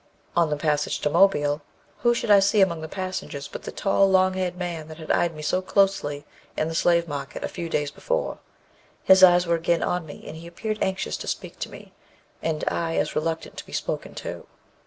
"On the passage to Mobile, who should I see among the passengers but the tall, long haired man that had eyed me so closely in the slave market a few days before. His eyes were again on me, and he appeared anxious to speak to me, and I as reluctant to be spoken to.